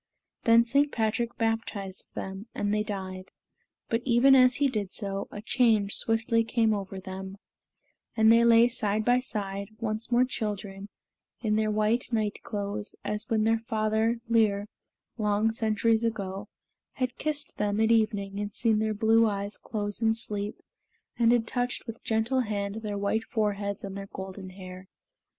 Then St. Patrick baptized them, and they died; but, even as he did so, a change swiftly came over them; and they lay side by side, once more children, in their white night clothes, as when their father Lir, long centuries ago, had kissed them at evening and seen their blue eyes close in sleep and had touched with gentle hand their white foreheads and their golden hair.